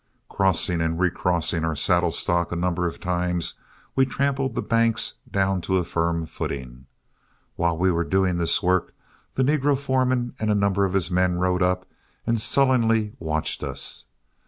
Crossing and recrossing our saddle stock a number of times, we trampled the banks down to a firm footing. While we were doing this work, the negro foreman and a number of his men rode up and sullenly watched us.